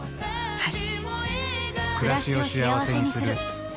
「はい」